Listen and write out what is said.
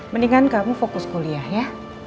mendingan kamu fokus kuliah ya